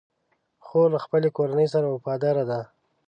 خور له خپلې کورنۍ سره وفاداره ده.